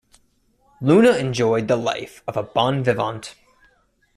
Luna enjoyed the life of a "bon vivant".